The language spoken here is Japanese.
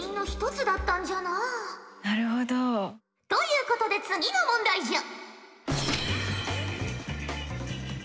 なるほど。ということで次の問題じゃ。